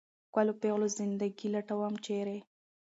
ښکلو پېغلو زنده ګي لټوم ، چېرې ؟